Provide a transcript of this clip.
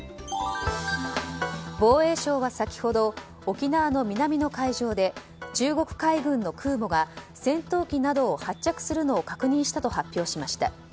防衛省は先ほど沖縄の南の海上で中国海軍の空母が、戦闘機などを発着するのを確認したと発表しました。